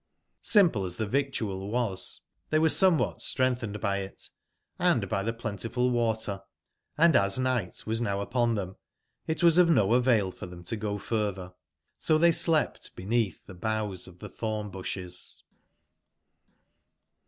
Simple as the victual was, they were somewhat strengthened by it and by the plentiful water, and as night was now upon them, it was of no avail for them to go further : so they slept beneath the boughs of the thorn/bushes.